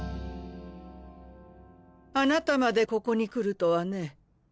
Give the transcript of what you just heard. あなたまでここに来るとはね。